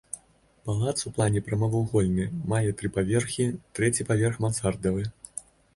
Палац у плане прамавугольны, мае тры паверхі, трэці паверх мансардавы.